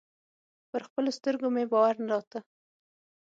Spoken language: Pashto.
پر خپلو سترګو مې باور نه راته.